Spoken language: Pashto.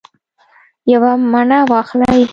یوه مڼه واخلئ